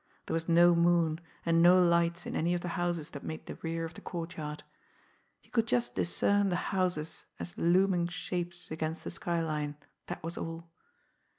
There was no moon, and no lights in any of the houses that made the rear of the courtyard. He could just discern the houses as looming shapes against the sky line, that was all.